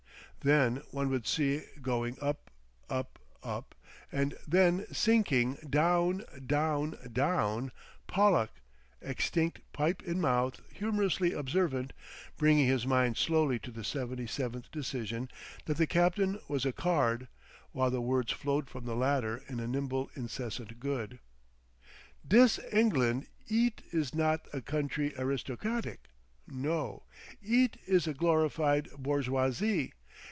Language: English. Then one would see going up, up, up, and then sinking down, down, down, Pollack, extinct pipe in mouth, humorously observant, bringing his mind slowly to the seventy seventh decision that the captain was a Card, while the words flowed from the latter in a nimble incessant good. "Dis England eet is not a country aristocratic, no! Eet is a glorified bourgeoisie!